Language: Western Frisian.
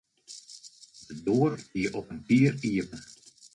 De doar gie op in kier iepen.